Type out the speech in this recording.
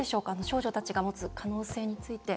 少女たちが持つ可能性について。